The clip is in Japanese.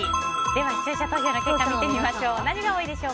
では視聴者投票の結果を見てみましょう。